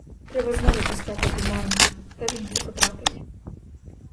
Треба знову пускати туману, та він це потрапить.